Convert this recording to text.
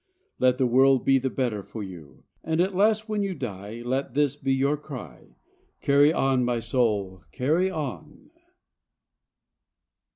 Let the world be the better for you; And at last when you die, let this be your cry: _CARRY ON, MY SOUL! CARRY ON!